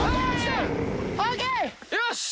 よし！